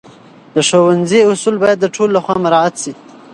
د ښوونځي اصول باید د ټولو لخوا مراعت سي.